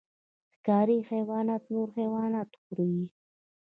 ښکاري حیوانات نور حیوانات خوري